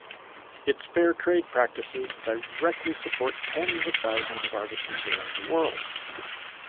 Its fair trade practices directly support tens of thousands of artisans around the world.